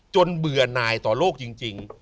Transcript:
เบื่อหน่ายต่อโลกจริง